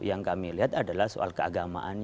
yang kami lihat adalah soal keagamaan